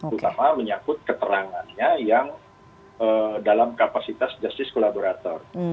terutama menyangkut keterangannya yang dalam kapasitas justice collaborator